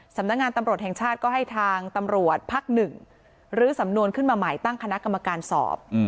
สำนักงานตำรวจแห่งชาติก็ให้ทางตำรวจพักหนึ่งลื้อสำนวนขึ้นมาใหม่ตั้งคณะกรรมการสอบ